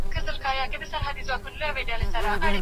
پر جناره درته درځم جانانه هېر مي نه کې